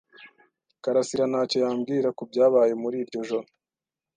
karasira ntacyo yambwira kubyabaye muri iryo joro.